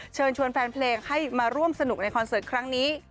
เชิญชวนแฟนเพลงให้มาร่วมสนุกในคอนเสิร์ตครั้งนี้